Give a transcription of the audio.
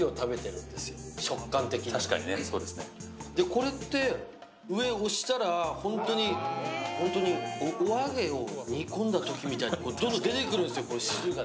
これって上、押したらほんとにお揚げを煮込んだときみたいな、どんどん出てくるんですよね、汁が。